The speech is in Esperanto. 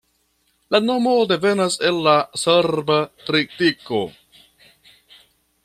La nomo devenas el la serba tritiko.